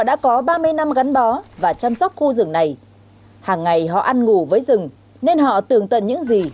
đã có ba mươi năm gắn bó và chăm sóc khu rừng này hàng ngày họ ăn ngủ với rừng nên họ tường tận những gì